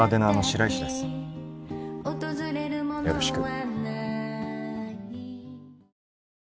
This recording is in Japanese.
よろしく。